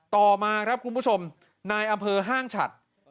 ต่อมาครับคุณผู้ชมนายอำเภอห้างฉัด